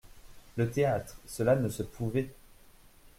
Le théâtre, cela ne se pouvait.